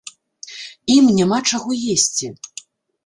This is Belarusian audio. Ім няма чаго есці.